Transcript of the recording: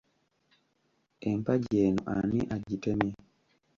Empagi eno ani agitemye?